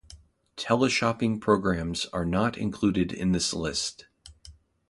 Teleshopping programs are not included in this list.